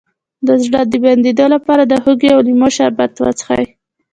د زړه د بندیدو لپاره د هوږې او لیمو شربت وڅښئ